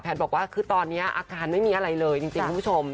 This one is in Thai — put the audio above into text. บอกว่าคือตอนนี้อาการไม่มีอะไรเลยจริงคุณผู้ชม